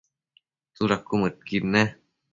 tsuda cuëmëdqui nec?